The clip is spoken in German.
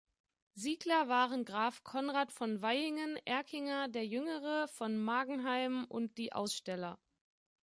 Siegler waren Graf Konrad von Vaihingen, Erkinger, der Jüngere, von Magenheim und die Aussteller.